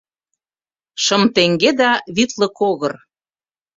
Шым теҥге да витлыкогыр.